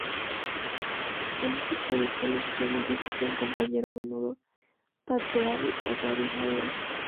En estas producciones usualmente existía un compañero, a menudo Pat Brady, o Gabby Hayes.